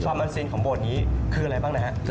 ชอบมันซีนของโบสถ์นี้คืออะไรบ้างนะครับ